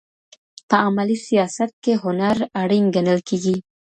په عملي سياست کې هنر اړين ګڼل کېږي.